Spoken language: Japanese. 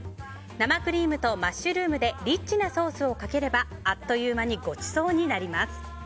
生クリームとマッシュルームでリッチなソースをかければあっという間にごちそうになります。